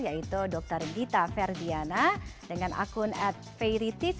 yaitu dokter dita ferdiana dengan akun adverity